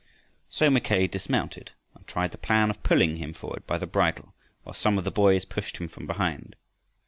So Mackay dismounted and tried the plan of pulling him forward by the bridle while some of the boys pushed him from behind.